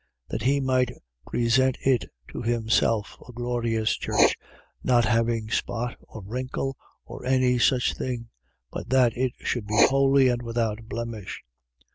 That he might present it to himself, a glorious church, not having spot or wrinkle or any such thing; but that it should be holy and without blemish.